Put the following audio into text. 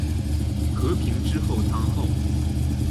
和平之后堂后。